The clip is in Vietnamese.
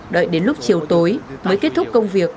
đợi đến lúc chiều tối mới kết thúc